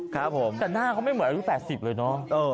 ครับผมงั้นน่าเขาไม่เหมือดู๘๐เลยเนอะ